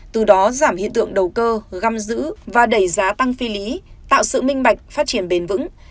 từ đó giảm hiện tượng đầu cơ găm giữ và đẩy giá tăng phi lý tạo sự minh bạch phát triển bền vững